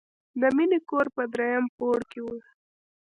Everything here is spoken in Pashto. د مینې کور په دریم پوړ کې و